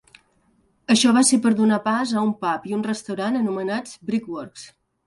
Això va ser per donar pas a un pub i un restaurant anomenats "Brickworks".